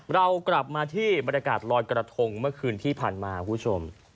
เรากลับมาที่บรรยากาศลอยกระทงเมื่อคืนที่ผ่านมาคุณผู้ชม